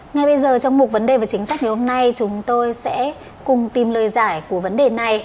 ngay bây giờ trong một vấn đề và chính sách ngày hôm nay chúng tôi sẽ cùng tìm lời giải của vấn đề này